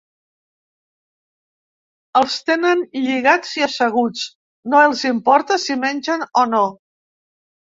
Els tenen lligats i asseguts, no els importa si mengen o no.